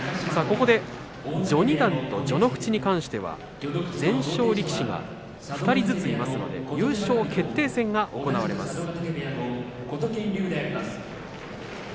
ここで序二段と序ノ口に関しては全勝力士が２人ずついますので優勝決定戦が行われます。